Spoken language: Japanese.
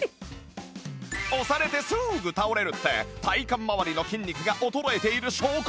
押されてすぐ倒れるって体幹まわりの筋肉が衰えている証拠